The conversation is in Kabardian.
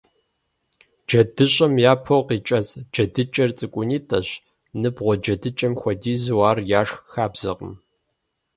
ДжэдыщӀэм япэу къикӀэцӀ джэдыкӀэр цӀыкӀунитӀэщ, ныбгъуэ джэдыкӀэм хуэдизу, ар яшх хабзэкъым.